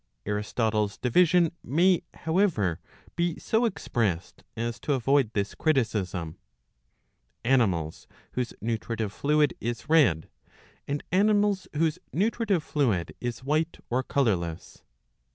Aristotle's division may, however, be so expressed as to avoid this criticism. Animals whose nutritive fluid is jred, and animals whose nutritive fluid is white or colourless.